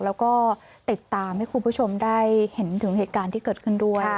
แล้วก็ติดตามให้คุณผู้ชมได้เห็นถึงเหตุการณ์ที่เกิดขึ้นด้วย